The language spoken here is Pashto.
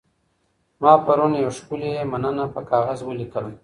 ما پرون یوه ښکلې مننه په کاغذ ولیکله.